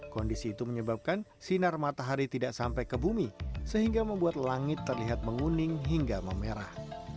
kondisi itu menyebabkan sinar matahari tidak sampai ke bumi sehingga membuat langit terlihat menguning hingga memerah